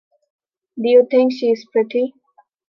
Do you think she is pretty?